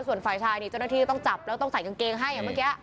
ส่วนฝ่ายชายนี่เจ้าหน้าที่ต้องจับแล้วต้องใส่กางเกงให้อย่างเมื่อกี้